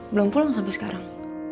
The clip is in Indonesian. belum pulang sampai sekarang